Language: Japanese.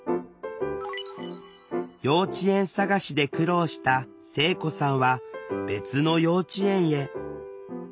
幼稚園探しで苦労した聖子さんは別の幼稚園へ。